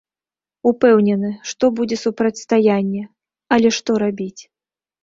Упэўнены, што будзе супрацьстаянне, але што рабіць?